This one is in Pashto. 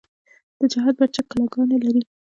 د چهار برجک کلاګانې لري